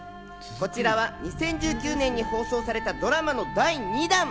こちらは２０１９年に放送されたドラマの第２弾。